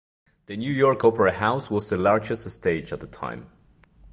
The New York Opera House was the largest stage at the time.